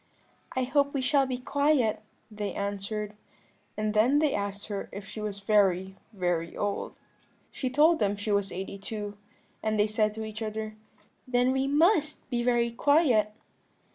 "'I hope we shall be quiet,' they answered; and then they asked her if she was very, very old. "She told them she was eighty two; and they said to each other, 'Then we must be very quiet.'